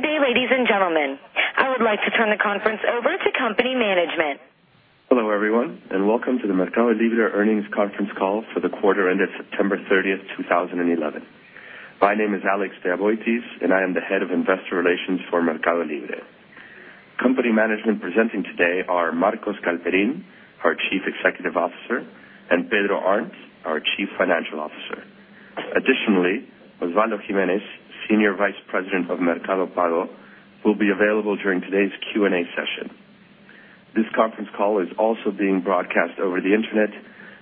Good day, ladies and gentlemen. I would like to turn the conference over to company management. Hello, everyone, and welcome to the MercadoLibre earnings conference call for the quarter ended September 30th, 2011. My name is Alex de Aboitiz, and I am the Head of Investor Relations for MercadoLibre. Company management presenting today are Marcos Galperin, our Chief Executive Officer, and Pedro Arnt, our Chief Financial Officer. Additionally, Osvaldo Gimenez, Senior Vice President of Mercado Pago, will be available during today's Q&A session. This conference call is also being broadcast over the internet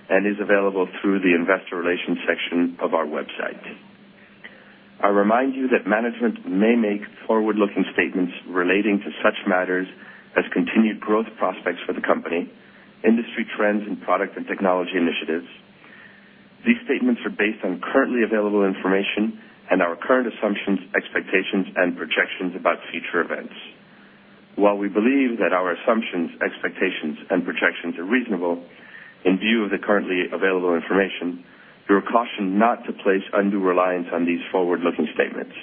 and is available through the investor relations section of our website. I remind you that management may make forward-looking statements relating to such matters as continued growth prospects for the company, industry trends, and product and technology initiatives. These statements are based on currently available information and our current assumptions, expectations, and projections about future events. While we believe that our assumptions, expectations, and projections are reasonable in view of the currently available information, we are cautioned not to place undue reliance on these forward-looking statements.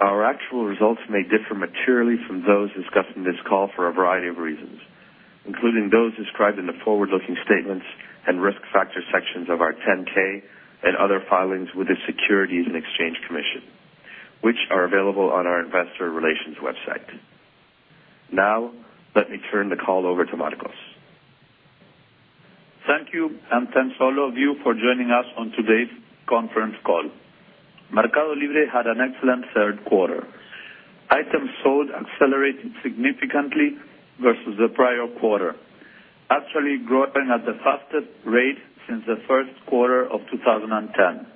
Our actual results may differ materially from those discussed in this call for a variety of reasons, including those described in the forward-looking statements and risk factor sections of our 10-K and other filings with the Securities and Exchange Commission, which are available on our investor relations website. Now, let me turn the call over to Marcos. Thank you, and thanks all of you for joining us on today's conference call. MercadoLibre had an excellent third quarter. Items sold accelerated significantly versus the prior quarter, actually growing at the fastest rate since the first quarter of 2010.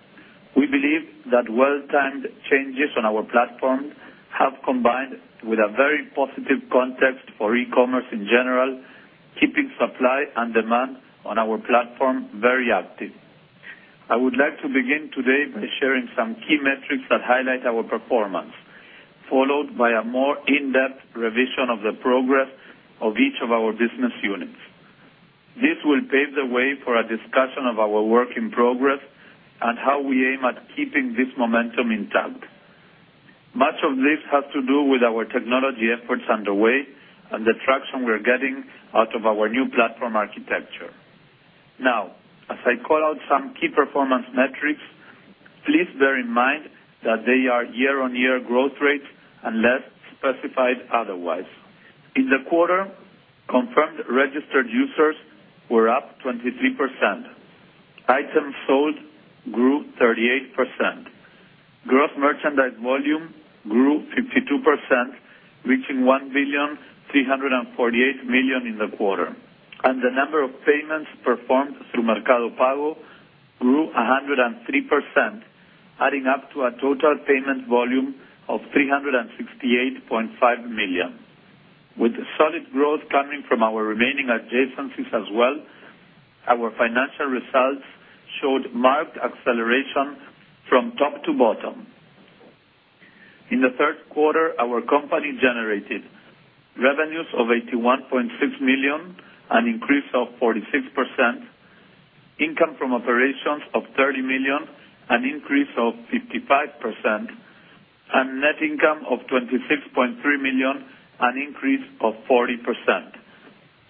We believe that well-timed changes on our platform have combined with a very positive context for e-commerce in general, keeping supply and demand on our platform very active. I would like to begin today by sharing some key metrics that highlight our performance, followed by a more in-depth revision of the progress of each of our business units. This will pave the way for a discussion of our work in progress and how we aim at keeping this momentum intact. Much of this has to do with our technology efforts underway and the traction we're getting out of our new platform architecture. Now, as I call out some key performance metrics, please bear in mind that they are year-on-year growth rates unless specified otherwise. In the quarter, confirmed registered users were up 23%. Items sold grew 38%. Gross merchandise volume grew 52%, reaching $1,348,000,000 in the quarter. The number of payments performed through Mercado Pago grew 103%, adding up to a total payment volume of $368.5 million. With solid growth coming from our remaining adjacencies as well, our financial results showed marked acceleration from top to bottom. In the third quarter, our company generated revenues of $81.6 million and an increase of 46%, income from operations of $30 million and an increase of 55%, and net income of $26.3 million and an increase of 40%,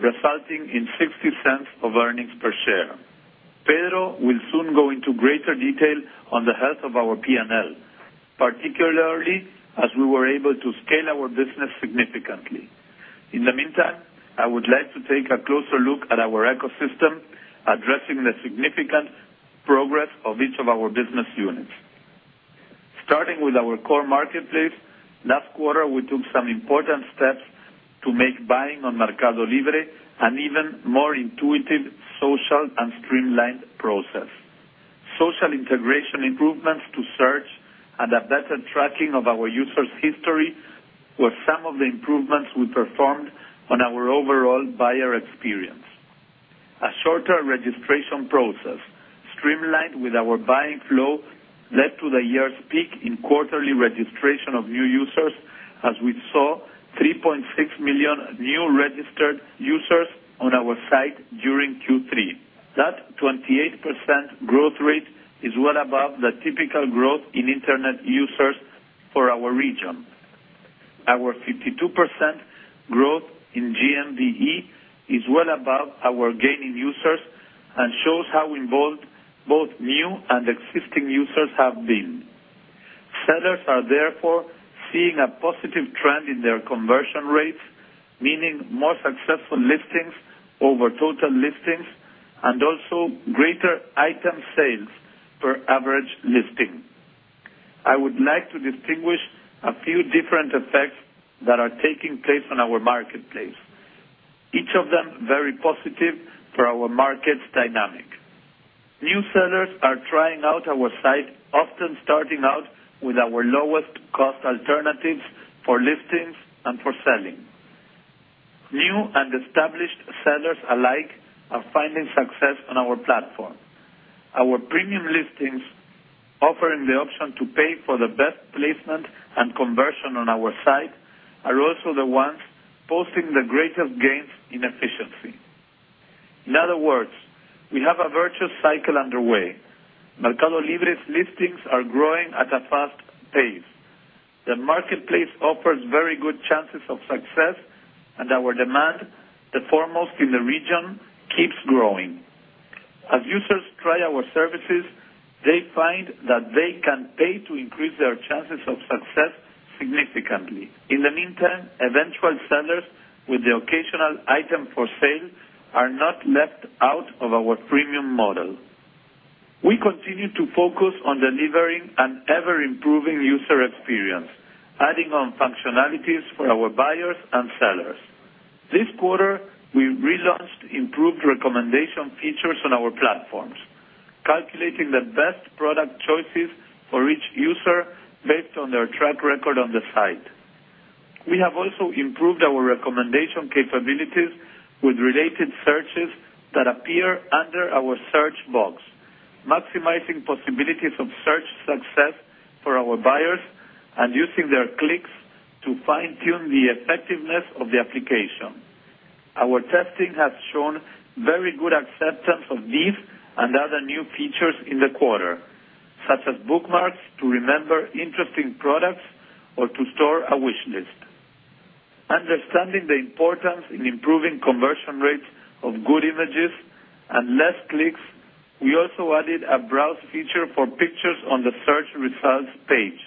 resulting in $0.60 of earnings per share. Pedro will soon go into greater detail on the health of our P&L, particularly as we were able to scale our business significantly. In the meantime, I would like to take a closer look at our ecosystem, addressing the significant progress of each of our business units. Starting with our core marketplace, last quarter we took some important steps to make buying on MercadoLibre an even more intuitive, social, and streamlined process. Social integration, improvements to search, and a better tracking of our users' history were some of the improvements we performed on our overall buyer experience. A shorter registration process streamlined with our buying flow led to the year's peak in quarterly registration of new users, as we saw 3.6 million new registered users on our site during Q3. That 28% growth rate is well above the typical growth in internet users for our region. Our 52% growth in GMV is well above our gain in users and shows how involved both new and existing users have been. Sellers are therefore seeing a positive trend in their conversion rates, meaning more successful listings over total listings and also greater item sales per average listing. I would like to distinguish a few different effects that are taking place on our marketplace, each of them very positive for our market's dynamic. New sellers are trying out our site, often starting out with our lowest cost alternatives for listings and for selling. New and established sellers alike are finding success on our platform. Our premium listings, offering the option to pay for the best placement and conversion on our site, are also the ones posting the greatest gains in efficiency. In other words, we have a virtuous cycle underway. MercadoLibre's listings are growing at a fast pace. The marketplace offers very good chances of success, and our demand, the foremost in the region, keeps growing. As users try our services, they find that they can pay to increase their chances of success significantly. In the meantime, eventual sellers with the occasional item for sale are not left out of our premium model. We continue to focus on delivering an ever-improving user experience, adding on functionalities for our buyers and sellers. This quarter, we relaunched improved recommendation features on our platforms, calculating the best product choices for each user based on their track record on the site. We have also improved our recommendation capabilities with related searches that appear under our search box, maximizing possibilities of search success for our buyers and using their clicks to fine-tune the effectiveness of the application. Our testing has shown very good acceptance of these and other new features in the quarter, such as bookmarks to remember interesting products or to store a wish list. Understanding the importance in improving conversion rates of good images and less clicks, we also added a browse feature for pictures on the search results page,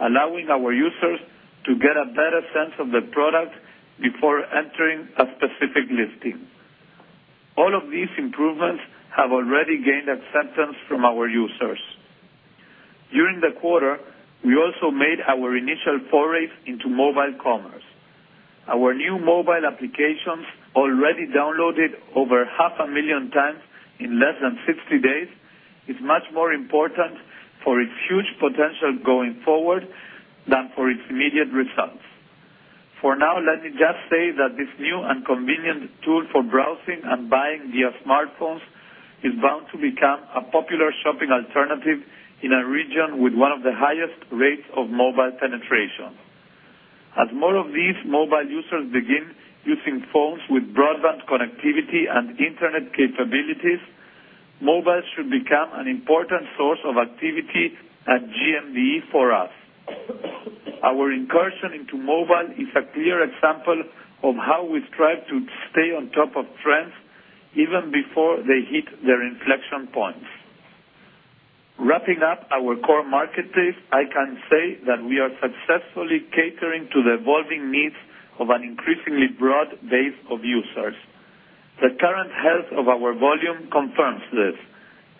allowing our users to get a better sense of the product before entering a specific listing. All of these improvements have already gained acceptance from our users. During the quarter, we also made our initial foray into mobile commerce. Our new mobile applications, already downloaded over 500,000x in less than 60 days, are much more important for its huge potential going forward than for its immediate results. For now, let me just say that this new and convenient tool for browsing and buying via smartphones is bound to become a popular shopping alternative in a region with one of the highest rates of mobile penetration. As more of these mobile users begin using phones with broadband connectivity and internet capabilities, mobile should become an important source of activity and GMV for us. Our incursion into mobile is a clear example of how we strive to stay on top of trends even before they hit their inflection points. Wrapping up our core marketplace, I can say that we are successfully catering to the evolving needs of an increasingly broad base of users. The current health of our volume confirms this,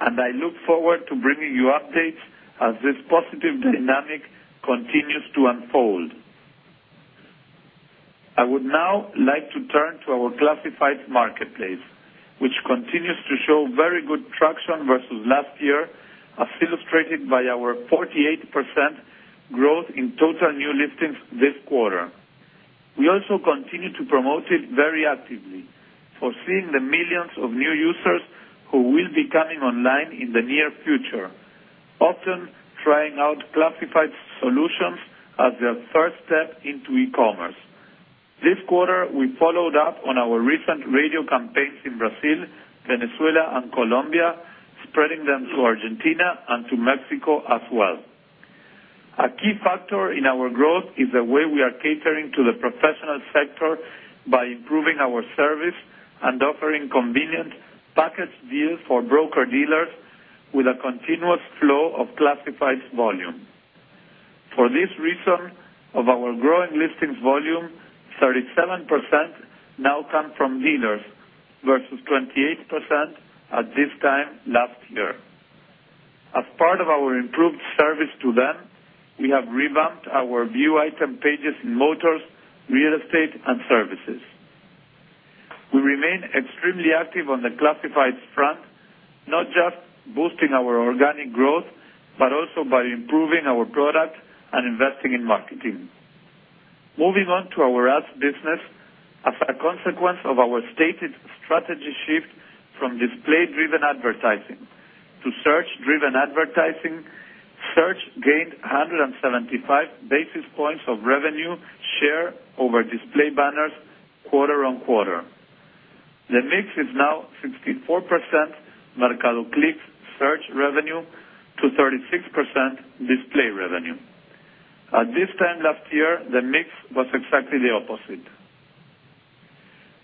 and I look forward to bringing you updates as this positive dynamic continues to unfold. I would now like to turn to our classified marketplace, which continues to show very good traction versus last year, as illustrated by our 48% growth in total new listings this quarter. We also continue to promote it very actively, foreseeing the millions of new users who will be coming online in the near future, often trying out classified solutions as their first step into e-commerce. This quarter, we followed up on our recent radio campaigns in Brazil, Venezuela, and Colombia, spreading them to Argentina and to Mexico as well. A key factor in our growth is the way we are catering to the professional sector by improving our service and offering convenient package deals for broker dealers with a continuous flow of classified volume. For this reason, of our growing listings volume, 37% now come from dealers versus 28% at this time last year. As part of our improved service to them, we have revamped our view item pages in motors, real estate, and services. We remain extremely active on the classified front, not just boosting our organic growth but also by improving our product and investing in marketing. Moving on to our ads business, as a consequence of our stated strategy shift from display-driven advertising to search-driven advertising, search-gained 175 basis points of revenue share over display banners quarter-on-quarter. The mix is now 64% MercadoClics search revenue to 36% display revenue. At this time last year, the mix was exactly the opposite.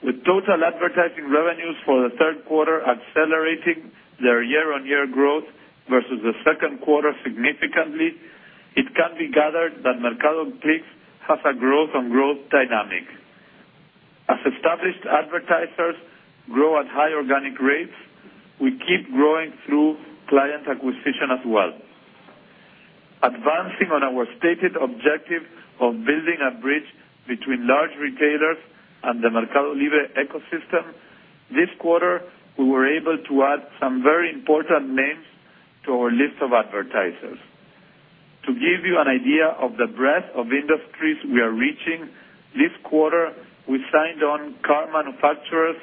With total advertising revenues for the third quarter accelerating their year-on-year growth versus the second quarter significantly, it can be gathered that MercadoClics has a growth-on-growth dynamic. As established advertisers grow at high organic rates, we keep growing through client acquisition as well. Advancing on our stated objective of building a bridge between large retailers and the MercadoLibre ecosystem, this quarter we were able to add some very important names to our list of advertisers. To give you an idea of the breadth of industries we are reaching, this quarter we signed on car manufacturers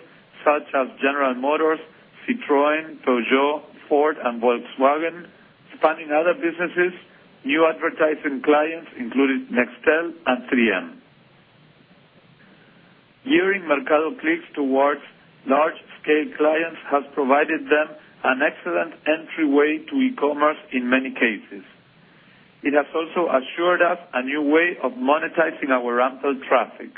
such as General Motors, Citroën, Peugeot, Ford, and Volkswagen, spanning other businesses. New advertising clients included Nextel and 3M. Gearing MercadoClics towards large-scale clients has provided them an excellent entryway to e-commerce in many cases. It has also assured us a new way of monetizing our rental traffic.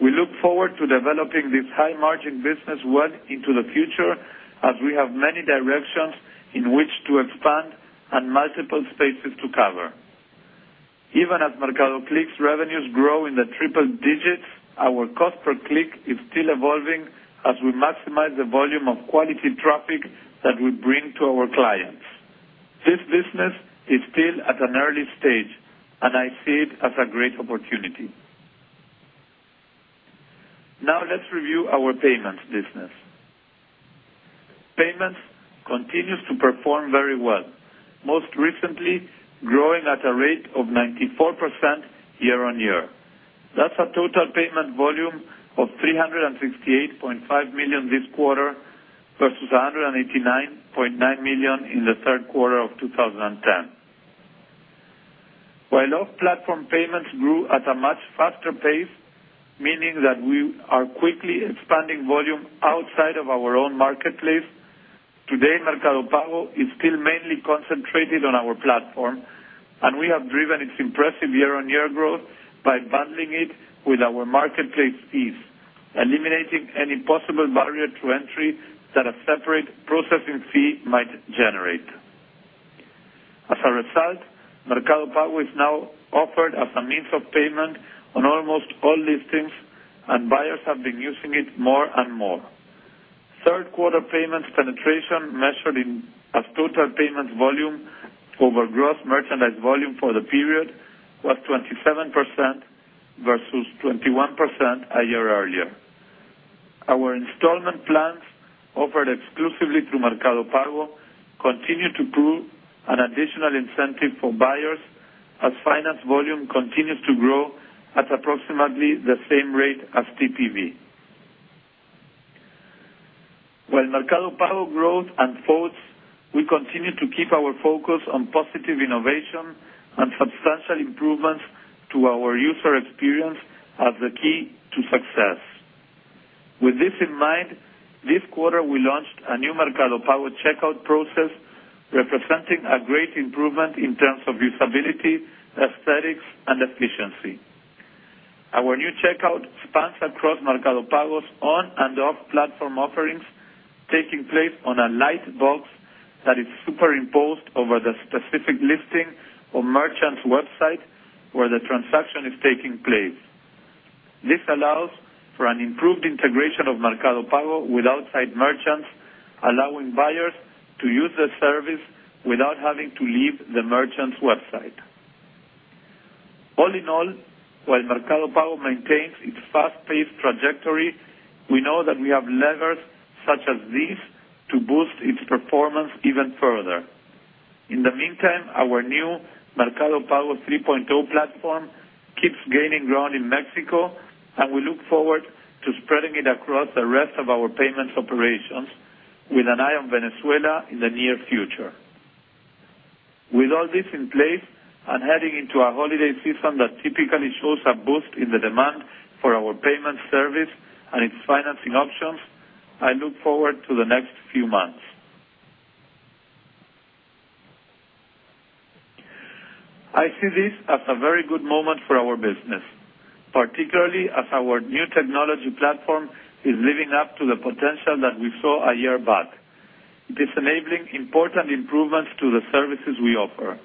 We look forward to developing this high-margin business well into the future, as we have many directions in which to expand and multiple spaces to cover. Even as MercadoClics's revenues grow in the triple digits, our cost per click is still evolving as we maximize the volume of quality traffic that we bring to our clients. This business is still at an early stage, and I see it as a great opportunity. Now let's review our payments business. Payments continues to perform very well, most recently growing at a rate of 94% year-on-year. That's a total payment volume of $368.5 million this quarter versus $189.9 million in the third quarter of 2010. While off-platform payments grew at a much faster pace, meaning that we are quickly expanding volume outside of our own marketplace, today Mercado Pago is still mainly concentrated on our platform, and we have driven its impressive year-on-year growth by bundling it with our marketplace fees, eliminating any possible barrier to entry that a separate processing fee might generate. As a result, Mercado Pago is now offered as a means of payment on almost all listings, and buyers have been using it more and more. Third-quarter payments penetration measured in total payments volume over gross merchandise volume for the period was 27% versus 21% a year earlier. Our installment plans offered exclusively through Mercado Pago continue to prove an additional incentive for buyers as finance volume continues to grow at approximately the same rate as PPV. While Mercado Pago growth unfolds, we continue to keep our focus on positive innovation and substantial improvements to our user experience as the key to success. With this in mind, this quarter we launched a new Mercado Pago checkout process, representing a great improvement in terms of usability, aesthetics, and efficiency. Our new checkout spans across Mercado Pago's on-platform and off-platform offerings, taking place on a light box that is superimposed over the specific listing or merchant's website where the transaction is taking place. This allows for an improved integration of Mercado Pago with outside merchants, allowing buyers to use the service without having to leave the merchant's website. All in all, while Mercado Pago maintains its fast-paced trajectory, we know that we have levers such as these to boost its performance even further. In the meantime, our new Mercado Pago 3.0 platform keeps gaining ground in Mexico, and we look forward to spreading it across the rest of our payments operations with an eye on Venezuela in the near future. With all this in place and heading into a holiday season that typically shows a boost in the demand for our payments service and its financing options, I look forward to the next few months. I see this as a very good moment for our business, particularly as our new technology platform is living up to the potential that we saw a year back. It is enabling important improvements to the services we offer,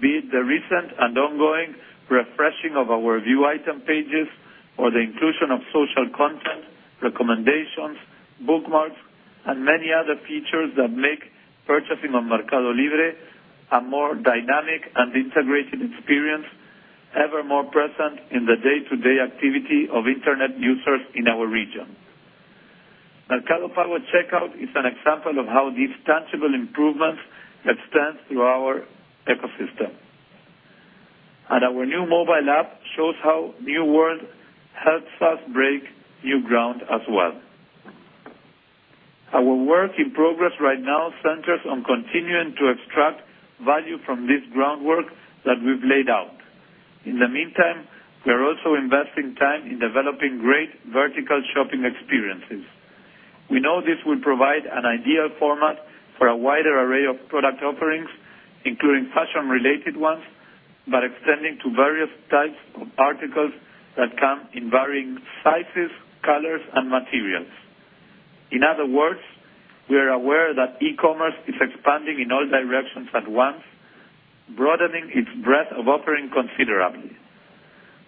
be it the recent and ongoing refreshing of our view item pages or the inclusion of social content, recommendations, bookmarks, and many other features that make purchasing on MercadoLibre a more dynamic and integrated experience, ever more present in the day-to-day activity of internet users in our region. Mercado Pago checkout is an example of how these tangible improvements extend to our ecosystem. Our new mobile app shows how New World helps us break new ground as well. Our work in progress right now centers on continuing to extract value from this groundwork that we've laid out. In the meantime, we're also investing time in developing great vertical shopping experiences. We know this will provide an ideal format for a wider array of product offerings, including fashion-related ones, but extending to various types of articles that come in varying sizes, colors, and materials. In other words, we are aware that e-commerce is expanding in all directions at once, broadening its breadth of offering considerably.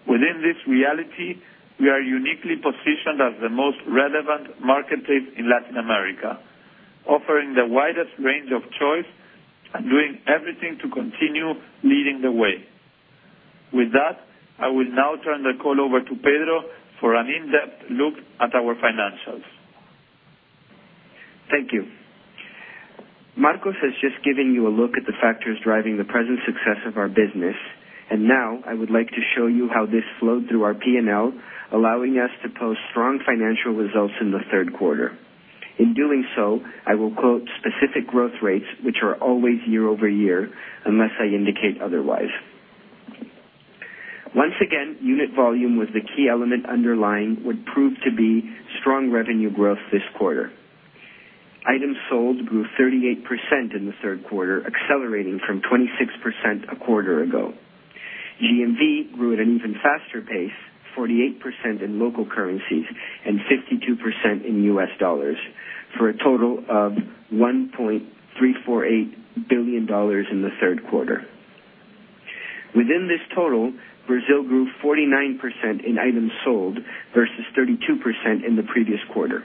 Within this reality, we are uniquely positioned as the most relevant marketplace in Latin America, offering the widest range of choice and doing everything to continue leading the way. With that, I will now turn the call over to Pedro for an in-depth look at our financials. Thank you. Marcos has just given you a look at the factors driving the present success of our business. Now, I would like to show you how this flowed through our P&L, allowing us to post strong financial results in the third quarter. In doing so, I will quote specific growth rates, which are always year-over-year, unless I indicate otherwise. Once again, unit volume was the key element underlying what proved to be strong revenue growth this quarter. Items sold grew 38% in the third quarter, accelerating from 26% a quarter ago. GMV grew at an even faster pace, 48% in local currencies and 52% in U.S. dollars, for a total of $1.348 billion in the third quarter. Within this total, Brazil grew 49% in items sold versus 32% in the previous quarter.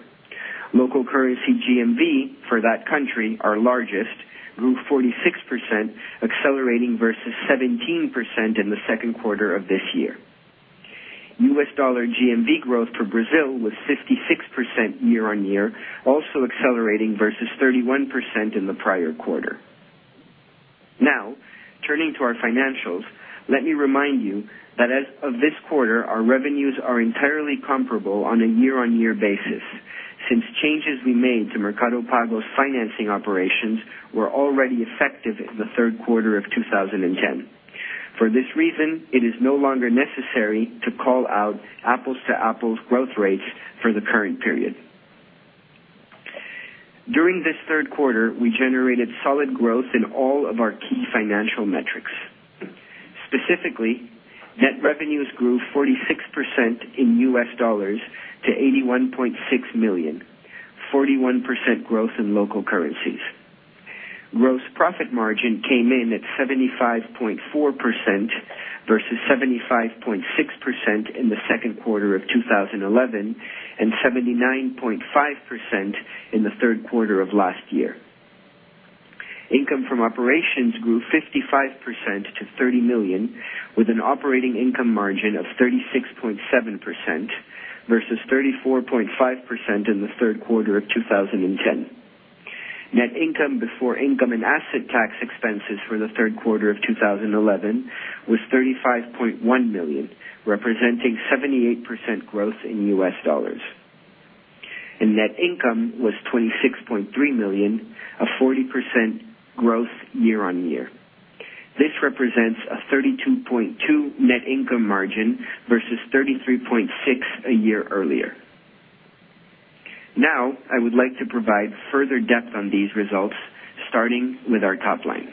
Local currency GMV for that country, our largest, grew 46%, accelerating versus 17% in the second quarter of this year. U.S. dollar GMV growth for Brazil was 56% year-on-year, also accelerating versus 31% in the prior quarter. Now, turning to our financials, let me remind you that as of this quarter, our revenues are entirely comparable on a year-on-year basis, since changes we made to Mercado Pago's financing operations were already effective in the third quarter of 2010. For this reason, it is no longer necessary to call out apples-to-apples growth rates for the current period. During this third quarter, we generated solid growth in all of our key financial metrics. Specifically, net revenues grew 46% in U.S. dollars to $81.6 million, 41% growth in local currencies. Gross profit margin came in at 75.4% versus 75.6% in the second quarter of 2011 and 79.5% in the third quarter of last year. Income from operations grew 55% to $30 million, with an operating income margin of 36.7% versus 34.5% in the third quarter of 2010. Net income before income and asset tax expenses for the third quarter of 2011 was $35.1 million, representing 78% growth in U.S. dollars. Net income was $26.3 million, a 40% growth year-on-year. This represents a 32.2% net income margin versus 33.6% a year earlier. Now, I would like to provide further depth on these results, starting with our top line.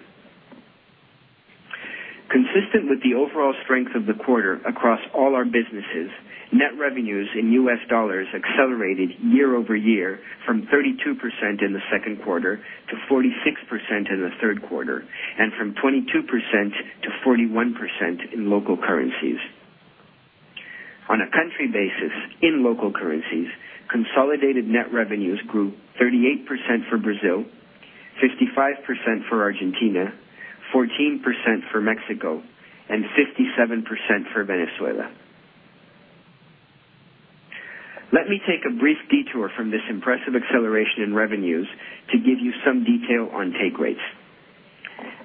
Consistent with the overall strength of the quarter across all our businesses, net revenues in U.S. dollars accelerated year-over-year from 32% in the second quarter to 46% in the third quarter and from 22% to 41% in local currencies. On a country basis, in local currencies, consolidated net revenues grew 38% for Brazil, 55% for Argentina, 14% for Mexico, and 57% for Venezuela. Let me take a brief detour from this impressive acceleration in revenues to give you some detail on take rates.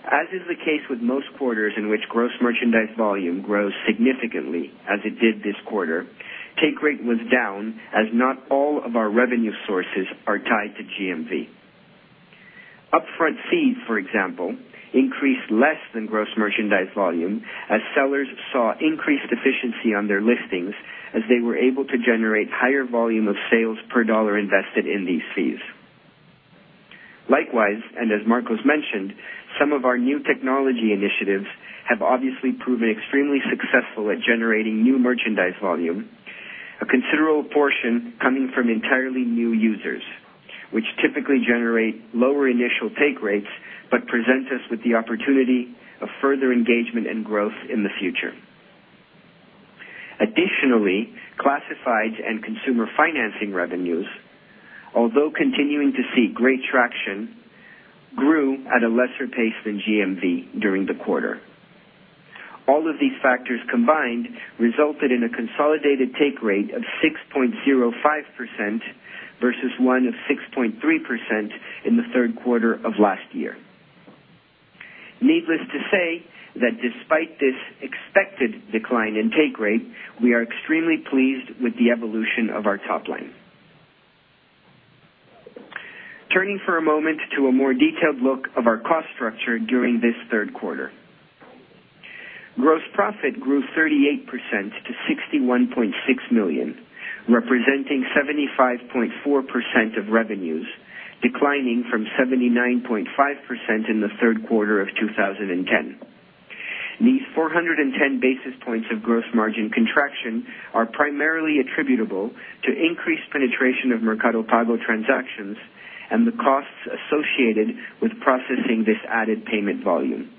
As is the case with most quarters in which gross merchandise volume grows significantly, as it did this quarter, take rate was down as not all of our revenue sources are tied to GMV. Upfront fees, for example, increased less than gross merchandise volume as sellers saw increased efficiency on their listings as they were able to generate higher volume of sales per dollar invested in these fees. Likewise, and as Marcos mentioned, some of our new technology initiatives have obviously proven extremely successful at generating new merchandise volume, a considerable portion coming from entirely new users, which typically generate lower initial take rates but present us with the opportunity of further engagement and growth in the future. Additionally, classified and consumer financing revenues, although continuing to see great traction, grew at a lesser pace than GMV during the quarter. All of these factors combined resulted in a consolidated take rate of 6.05% versus one of 6.3% in the third quarter of last year. Needless to say that despite this expected decline in take rate, we are extremely pleased with the evolution of our top line. Turning for a moment to a more detailed look of our cost structure during this third quarter. Gross profit grew 38% to $61.6 million, representing 75.4% of revenues, declining from 79.5% in the third quarter of 2010. These 410 basis points of gross margin contraction are primarily attributable to increased penetration of Mercado Pago transactions and the costs associated with processing this added payment volume.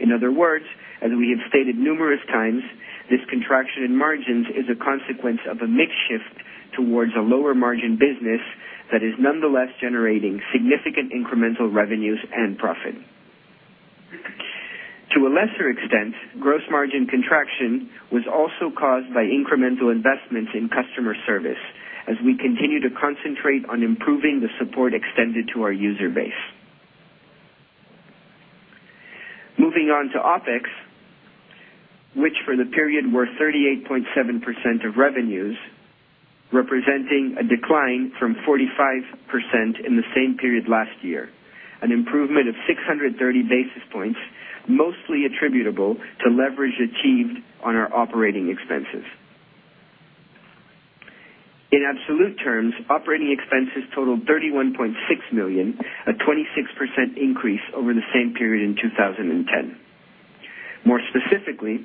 In other words, as we have stated numerous times, this contraction in margins is a consequence of a mix shift towards a lower margin business that is nonetheless generating significant incremental revenues and profit. To a lesser extent, gross margin contraction was also caused by incremental investments in customer service as we continue to concentrate on improving the support extended to our user base. Moving on to OpEx, which for the period were 38.7% of revenues, representing a decline from 45% in the same period last year, an improvement of 630 basis points, mostly attributable to leverage achieved on our operating expenses. In absolute terms, operating expenses totaled $31.6 million, a 26% increase over the same period in 2010. More specifically,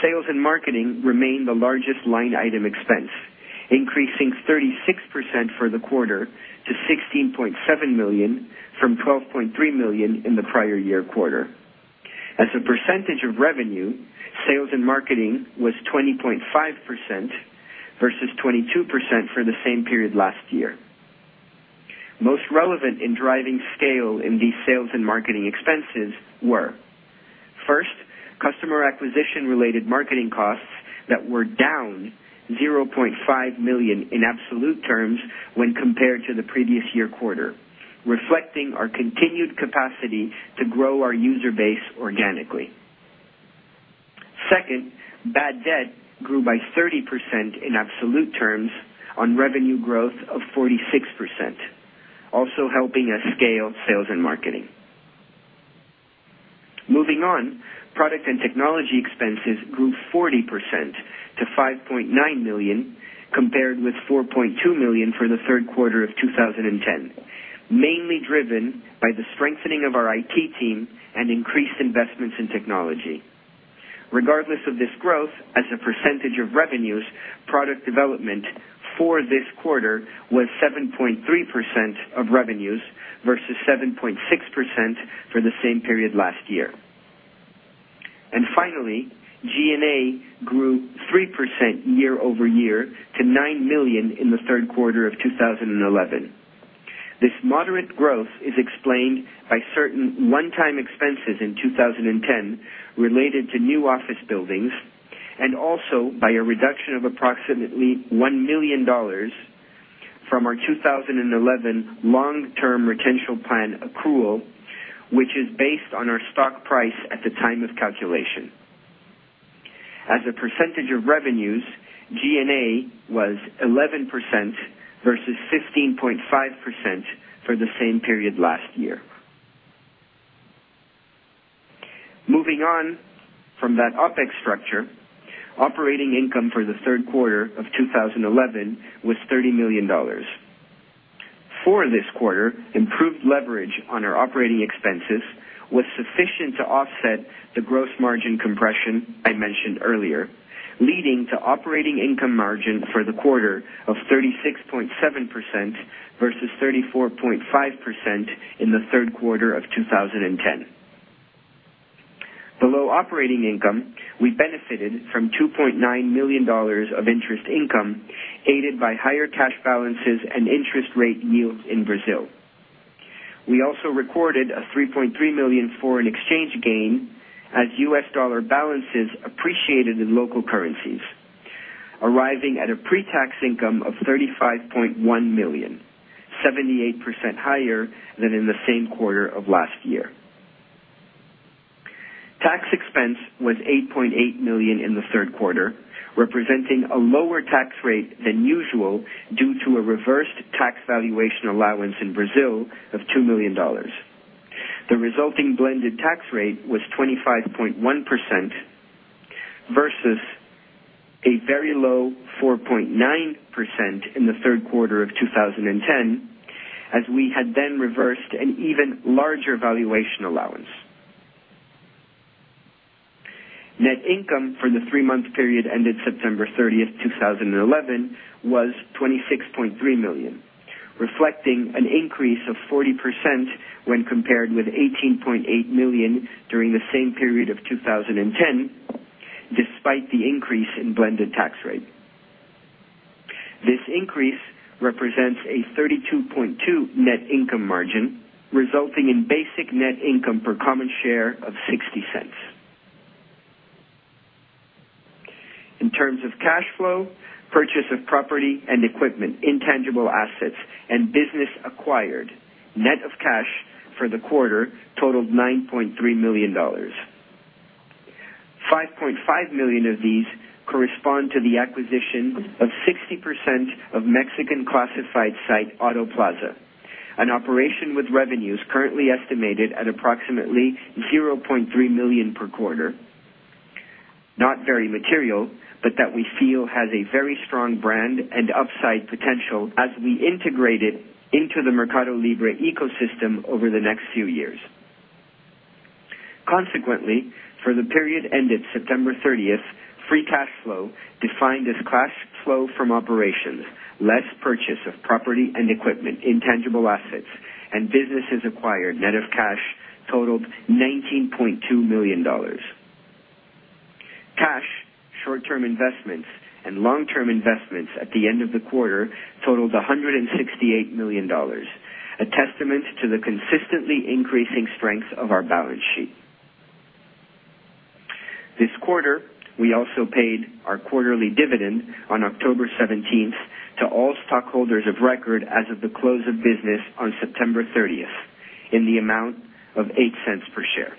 sales and marketing remain the largest line item expense, increasing 36% for the quarter to $16.7 million from $12.3 million in the prior year quarter. As a percentage of revenue, sales and marketing was 20.5% versus 22% for the same period last year. Most relevant in driving scale in these sales and marketing expenses were, first, customer acquisition-related marketing costs that were down $0.5 million in absolute terms when compared to the previous year quarter, reflecting our continued capacity to grow our user base organically. Second, bad debt grew by 30% in absolute terms on revenue growth of 46%, also helping us scale sales and marketing. Moving on, product and technology expenses grew 40% to $5.9 million, compared with $4.2 million for the third quarter of 2010, mainly driven by the strengthening of our IT team and increased investments in technology. Regardless of this growth, as a percentage of revenues, product development for this quarter was 7.3% of revenues versus 7.6% for the same period last year. Finally, G&A grew 3% year-over-year to $9 million in the third quarter of 2011. This moderate growth is explained by certain one-time expenses in 2010 related to new office buildings and also by a reduction of approximately $1 million from our 2011 long-term retention plan accrual, which is based on our stock price at the time of calculation. As a percentage of revenues, G&A was 11% versus 15.5% for the same period last year. Moving on from that OpEx structure, operating income for the third quarter of 2011 was $30 million. For this quarter, improved leverage on our operating expenses was sufficient to offset the gross margin compression I mentioned earlier, leading to operating income margin for the quarter of 36.7% versus 34.5% in the third quarter of 2010. Below operating income, we benefited from $2.9 million of interest income aided by higher cash balances and interest rate yields in Brazil. We also recorded a $3.3 million foreign exchange gain as U.S. dollar balances appreciated in local currencies, arriving at a pre-tax income of $35.1 million, 78% higher than in the same quarter of last year. Tax expense was $8.8 million in the third quarter, representing a lower tax rate than usual due to a reversed tax valuation allowance in Brazil of $2 million. The resulting blended tax rate was 25.1% versus a very low 4.9% in the third quarter of 2010, as we had then reversed an even larger valuation allowance. Net income for the three-month period ended September 30th, 2011, was $26.3 million, reflecting an increase of 40% when compared with $18.8 million during the same period of 2010, despite the increase in blended tax rate. This increase represents a 32.2% net income margin, resulting in basic net income per common share of $0.60. In terms of cash flow, purchase of property and equipment, intangible assets, and business acquired, net of cash for the quarter totaled $9.3 million. $5.5 million of these correspond to the acquisition of 60% of Mexican classified site AutoPlaza, an operation with revenues currently estimated at approximately $0.3 million per quarter, not very material but that we feel has a very strong brand and upside potential as we integrate it into the MercadoLibre ecosystem over the next few years. Consequently, for the period ended September 30th, free cash flow defined as cash flow from operations, less purchase of property and equipment, intangible assets, and businesses acquired, net of cash totaled $19.2 million. Cash, short-term investments, and long-term investments at the end of the quarter totaled $168 million, a testament to the consistently increasing strength of our balance sheet. This quarter, we also paid our quarterly dividend on October 17th to all stockholders of record as of the close of business on September 30th in the amount of $0.08 per share.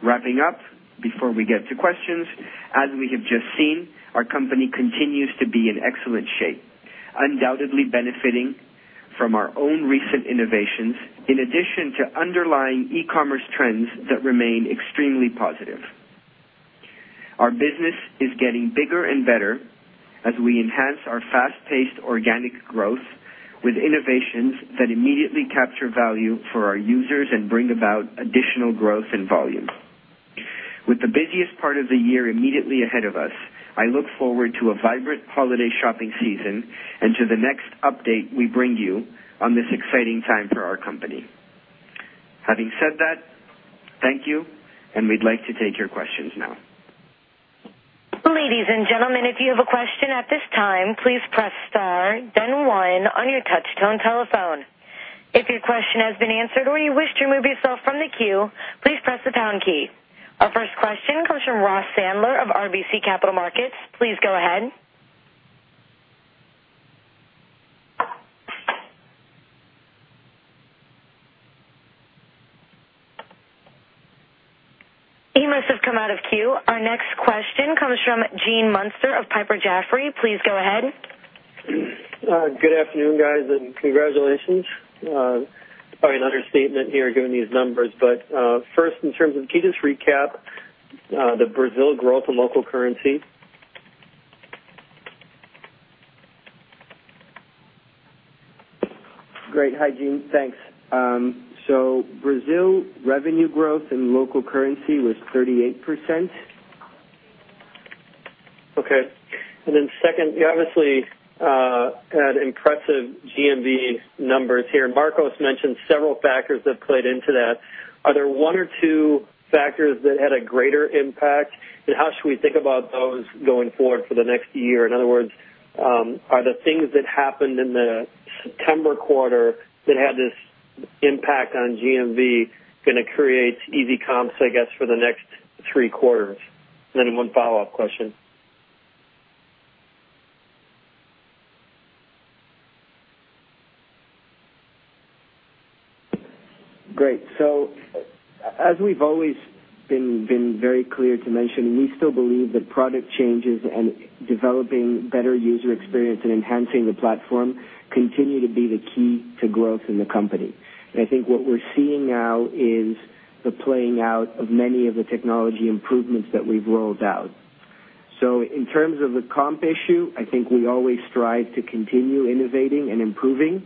Wrapping up, before we get to questions, as we have just seen, our company continues to be in excellent shape, undoubtedly benefiting from our own recent innovations in addition to underlying e-commerce trends that remain extremely positive. Our business is getting bigger and better as we enhance our fast-paced organic growth with innovations that immediately capture value for our users and bring about additional growth in volume. With the busiest part of the year immediately ahead of us, I look forward to a vibrant holiday shopping season and to the next update we bring you on this exciting time for our company. Having said that, thank you, and we'd like to take your questions now. Ladies and gentlemen, if you have a question at this time, please press star, then one on your touch-tone telephone. If your question has been answered or you wish to remove yourself from the queue, please press the pound key. Our first question comes from Ross Sandler of RBC Capital Markets. Please go ahead. He must have come out of queue. Our next question comes from Gene Munster of Piper Jaffray. Please go ahead. Good afternoon, guys, and congratulations. It's probably an understatement here given these numbers. First, in terms of can you just recap the Brazil growth in local currency? Great. Hi, Gene. Thanks. Brazil revenue growth in local currency was 38%. Okay. Then second, you obviously had impressive GMV numbers here. Marcos mentioned several factors that played into that. Are there one or two factors that had a greater impact, and how should we think about those going forward for the next year? In other words, are the things that happened in the September quarter that had this impact on GMV going to create easy comps, I guess, for the next three quarters? I have one follow-up question. As we've always been very clear to mention, we still believe that product changes and developing better user experience and enhancing the platform continue to be the key to growth in the company. I think what we're seeing now is the playing out of many of the technology improvements that we've rolled out. In terms of the comp issue, I think we always strive to continue innovating and improving.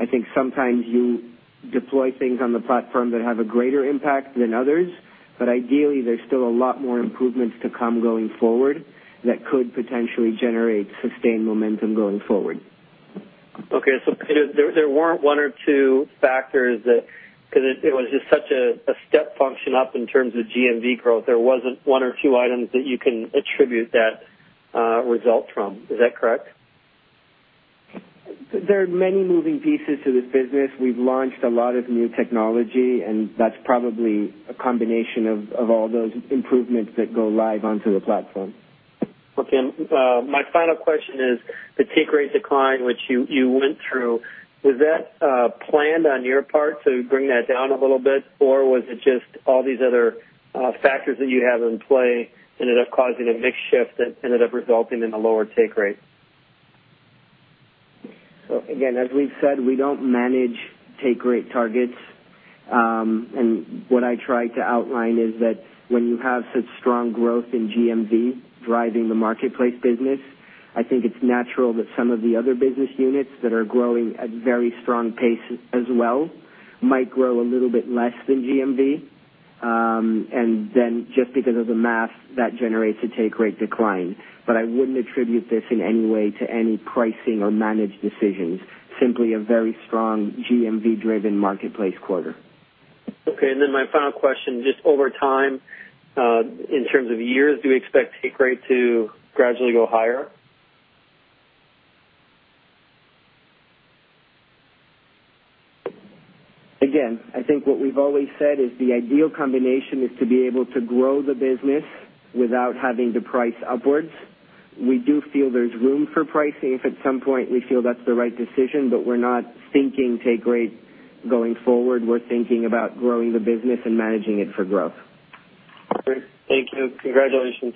I think sometimes you deploy things on the platform that have a greater impact than others, but ideally, there's still a lot more improvements to come going forward that could potentially generate sustained momentum going forward. Okay. There weren't one or two factors that, because it was just such a step function up in terms of GMV growth, there wasn't one or two items that you can attribute that result from. Is that correct? There are many moving pieces to this business. We've launched a lot of new technology, and that's probably a combination of all those improvements that go live onto the platform. Okay. My final question is the take rate decline, which you went through. Was that planned on your part to bring that down a little bit, or was it just all these other factors that you have in play ended up causing a mixed shift that ended up resulting in a lower take rate? As we've said, we don't manage take rate targets. What I tried to outline is that when you have such strong growth in GMV driving the marketplace business, I think it's natural that some of the other business units that are growing at a very strong pace as well might grow a little bit less than GMV. Just because of the math, that generates a take rate decline. I wouldn't attribute this in any way to any pricing or managed decisions, simply a very strong GMV-driven marketplace quarter. Okay. My final question is just over time, in terms of years, do we expect take rate to gradually go higher? Again, I think what we've always said is the ideal combination is to be able to grow the business without having to price upwards. We do feel there's room for pricing if at some point we feel that's the right decision, but we're not thinking take rate going forward. We're thinking about growing the business and managing it for growth. Thank you. Congratulations.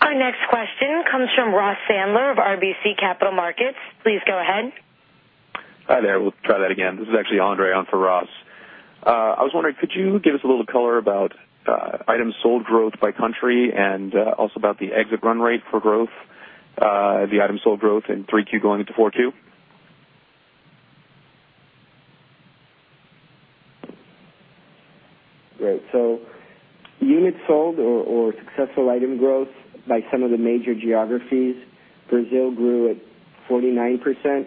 Our next question comes from Ross Sandler of RBC Capital Markets. Please go ahead. Hi there. This is actually Andre on for Ross. I was wondering, could you give us a little color about items sold growth by country and also about the exit run rate for growth, the item sold growth in 3Q going into 4Q? Great. Unit sold or successful item growth by some of the major geographies: Brazil grew at 49%,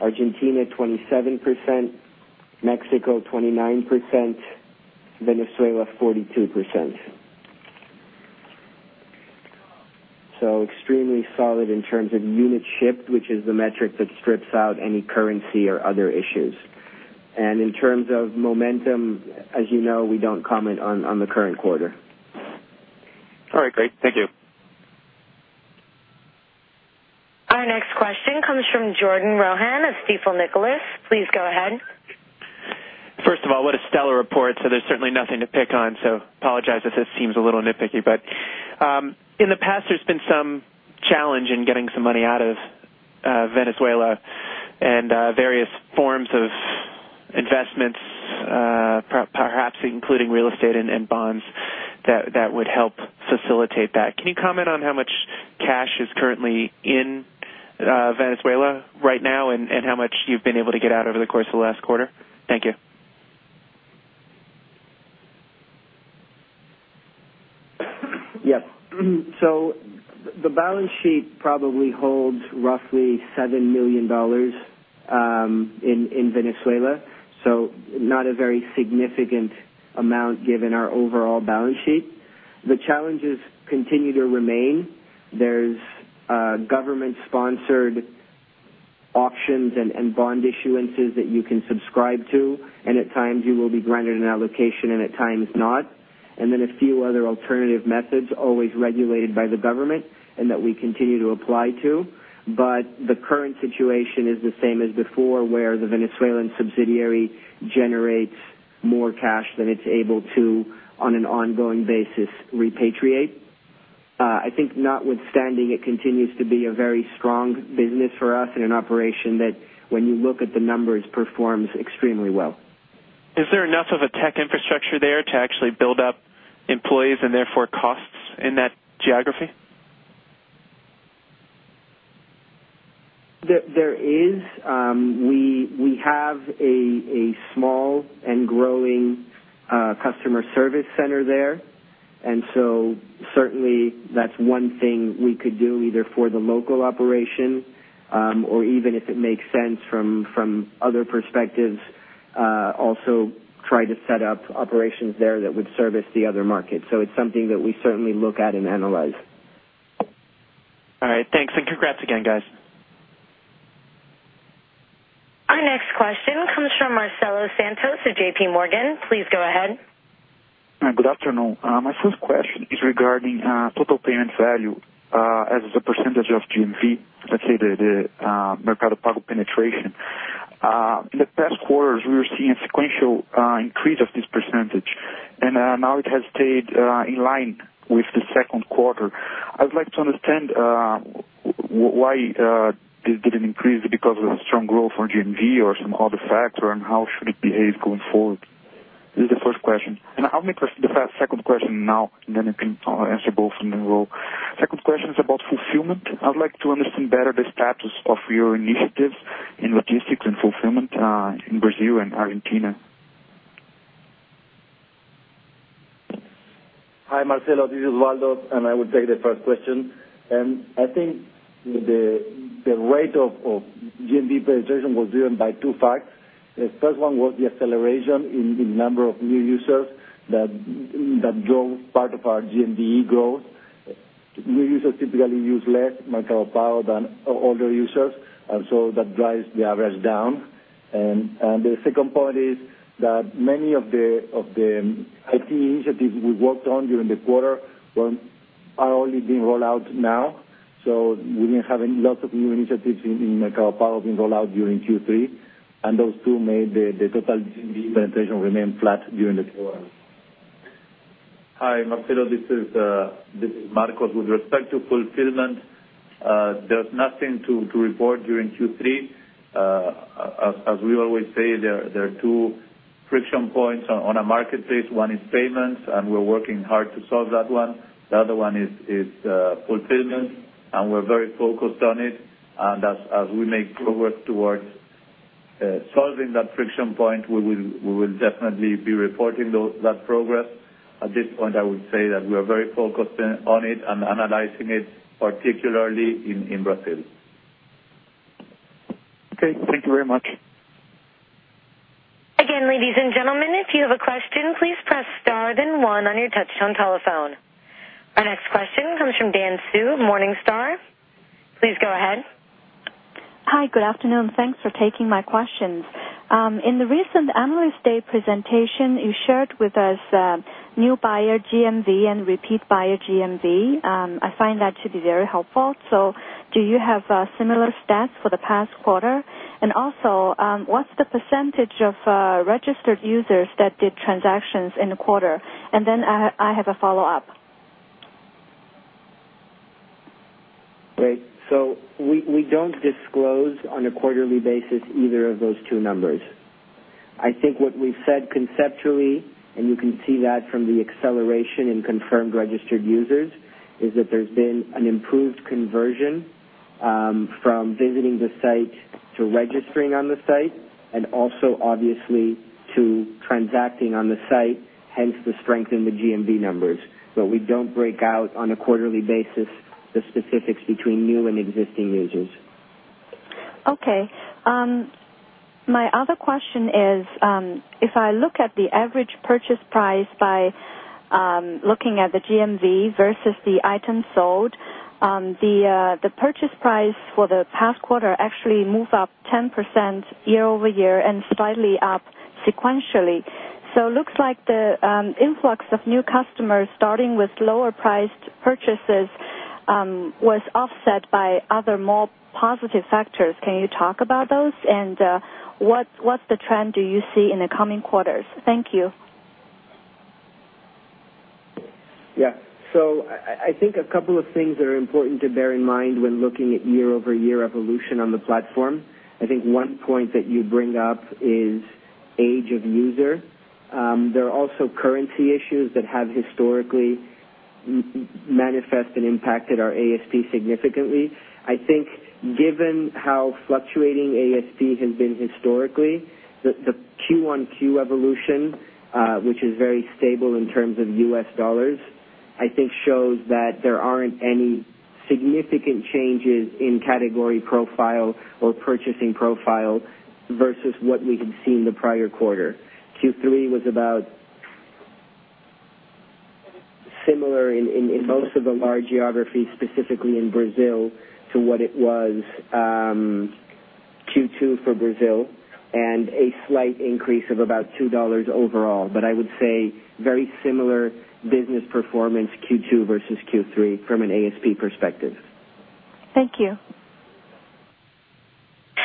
Argentina at 27%, Mexico at 29%, Venezuela at 42%. Extremely solid in terms of unit shipped, which is the metric that strips out any currency or other issues. In terms of momentum, as you know, we don't comment on the current quarter. All right. Great. Thank you. Our next question comes from Jordan Rohan of Stifel Nicolaus. Please go ahead. First of all, what a stellar report. There's certainly nothing to pick on. I apologize if this seems a little nitpicky, but in the past, there's been some challenge in getting some money out of Venezuela and various forms of investments, perhaps including real estate and bonds that would help facilitate that. Can you comment on how much cash is currently in Venezuela right now and how much you've been able to get out over the course of the last quarter? Thank you. Yes. The balance sheet probably holds roughly $7 million in Venezuela, so not a very significant amount given our overall balance sheet. The challenges continue to remain. There are government-sponsored auctions and bond issuances that you can subscribe to, and at times you will be granted an allocation and at times not. There are a few other alternative methods always regulated by the government and that we continue to apply to. The current situation is the same as before, where the Venezuelan subsidiary generates more cash than it's able to, on an ongoing basis, repatriate. I think notwithstanding, it continues to be a very strong business for us and an operation that, when you look at the numbers, performs extremely well. Is there enough of a tech infrastructure there to actually build up employees and therefore costs in that geography? We have a small and growing customer service center there. That's one thing we could do either for the local operation or, if it makes sense from other perspectives, also try to set up operations there that would service the other markets. It's something that we certainly look at and analyze. All right. Thanks, and congrats again, guys. Our next question comes from Marcelo Santos of JPMorgan. Please go ahead. Good afternoon. My first question is regarding total payment value as a percentage of GMV, let's say the Mercado Pago penetration. In the past quarters, we were seeing a sequential increase of this percentage, and now it has stayed in line with the second quarter. I would like to understand why this didn't increase. Is it because of the strong growth on GMV or some other factor, and how should it behave going forward? This is the first question. I'll make the second question now, and then you can answer both in your role. Second question is about fulfillment. I would like to understand better the status of your initiatives in logistics and fulfillment in Brazil and Argentina. Hi, Marcelo. This is Osvaldo, and I will take the first question. I think the rate of GMV penetration was driven by two facts. The first one was the acceleration in the number of new users that drove part of our GMV growth. New users typically use less Mercado Pago than older users, and that drives the average down. The second point is that many of the IT initiatives we worked on during the quarter are only being rolled out now. We didn't have lots of new initiatives in Mercado Pago being rolled out during Q3, and those two made the total GMV penetration remain flat during the quarter. Hi, Marcelo. This is Marcos. With respect to fulfillment, there's nothing to report during Q3. As we always say, there are two friction points on a marketplace. One is payments, and we're working hard to solve that one. The other one is fulfillment, and we're very focused on it. As we make progress towards solving that friction point, we will definitely be reporting that progress. At this point, I would say that we are very focused on it and analyzing it, particularly in Brazil. Okay, thank you very much. Again, ladies and gentlemen, if you have a question, please press star then one on your touch-tone telephone. Our next question comes from Dan Su of Morningstar. Please go ahead. Hi. Good afternoon. Thanks for taking my questions. In the recent Analyst Day presentation, you shared with us new buyer GMV and repeat buyer GMV. I find that to be very helpful. Do you have similar stats for the past quarter? What's the percentage of registered users that did transactions in a quarter? I have a follow-up. We don't disclose on a quarterly basis either of those two numbers. I think what we've said conceptually, and you can see that from the acceleration in confirmed registered users, is that there's been an improved conversion from visiting the site to registering on the site and also, obviously, to transacting on the site, hence the strength in the GMV numbers. We don't break out on a quarterly basis the specifics between new and existing users. Okay. My other question is, if I look at the average purchase price by looking at the GMV versus the items sold, the purchase price for the past quarter actually moved up 10% year-over-year and slightly up sequentially. It looks like the influx of new customers starting with lower-priced purchases was offset by other more positive factors. Can you talk about those? What trend do you see in the coming quarters? Thank you. Yeah. I think a couple of things that are important to bear in mind when looking at year-over-year evolution on the platform. I think one point that you bring up is age of user. There are also currency issues that have historically manifested and impacted our ASP significantly. I think given how fluctuating ASP has been historically, the Q1, Q evolution, which is very stable in terms of U.S. dollars, shows that there aren't any significant changes in category profile or purchasing profile versus what we had seen the prior quarter. Q3 was about similar in most of the large geographies, specifically in Brazil, to what it was Q2 for Brazil, and a slight increase of about $2 overall. I would say very similar business performance Q2 versus Q3 from an ASP perspective. Thank you.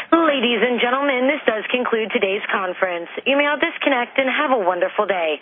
Ladies and gentlemen, this does conclude today's conference. You may all disconnect and have a wonderful day.